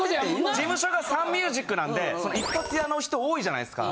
事務所がサンミュージックなんで一発屋の人多いじゃないですか。